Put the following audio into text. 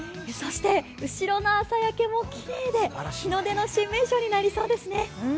そして、後ろの朝焼けもきれいで日の出の新名所になりそうですね。